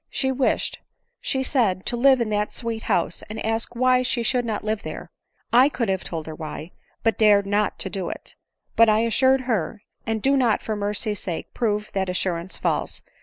She wished, she said, to live in that sweet house, and asked why she should not live there ? I could have told her why, but dared not do it ; but I assured her, and do not for mercy's sake prove that assurance false